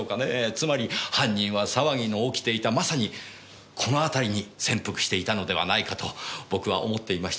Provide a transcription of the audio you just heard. つまり犯人は騒ぎの起きていたまさにこの辺りに潜伏していたのではないかと僕は思っていました。